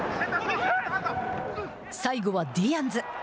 最後はディアンズ。